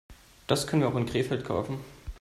Das können wir auch in Krefeld kaufen